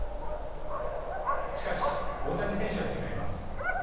しかし大谷選手は違います。